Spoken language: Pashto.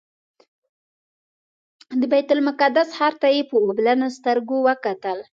د بیت المقدس ښار ته یې په اوښلنو سترګو وکتل.